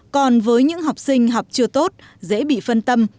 còn với những học sinh học chưa tốt dễ bị phân tâm